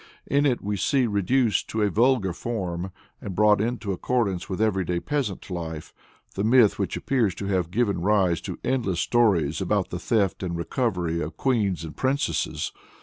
In it we see reduced to a vulgar form, and brought into accordance with everyday peasant life, the myth which appears to have given rise to the endless stories about the theft and recovery of queens and princesses.